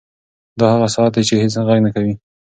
دا هغه ساعت دی چې هېڅ غږ نه کوي.